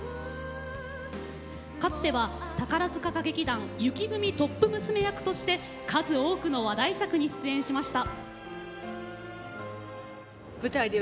かつては宝塚歌劇団雪組トップ娘役として数多くの話題作に出演しました。